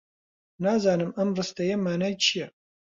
نازانم ئەم ڕستەیە مانای چییە.